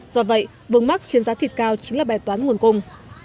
do vậy vương mắc khiến giá thịt cao chính là bài toán nguồn cung